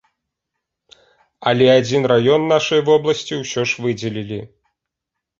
Але адзін раён нашай вобласці ўсё ж выдзелілі.